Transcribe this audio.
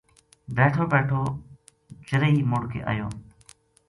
بیٹھو بیٹھو چرئی مڑ کے ایو